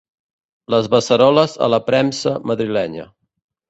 Les beceroles a la premsa madrilenya.